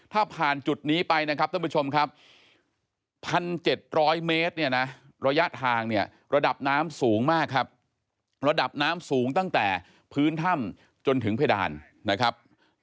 ถ้าผ่านจุดนี้ไปนะครับท่านผู้ชมครับ๑๗๐๐เมตรเนี่ยนะระยะทางเนี่ยระดับน้ำสูงมากครับระดับน้ำสูงตั้งแต่พื้นถ้ำจนถึงเพดานนะครับ